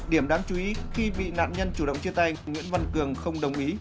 điểm đáng chú ý khi bị nạn nhân chủ động chia tay nguyễn văn cường không đồng ý